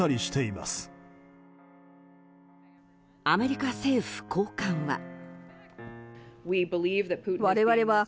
アメリカ政府高官は。